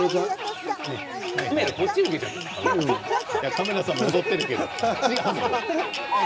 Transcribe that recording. カメラさんも踊っている。